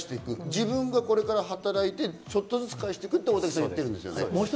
自分がこれから働いて、ちょっとずつ返していくってことですよね。